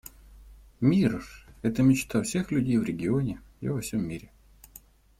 Мир — это мечта всех людей в регионе и во всем мире.